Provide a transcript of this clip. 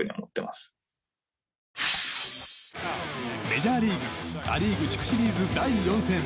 メジャーリーグア・リーグ地区シリーズ第４戦。